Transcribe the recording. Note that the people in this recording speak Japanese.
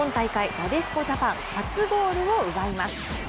なでしこジャパン初ゴールを奪います。